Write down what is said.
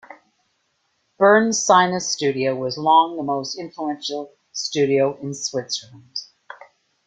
Bern's Sinus Studio was long the most influential studio in Switzerland.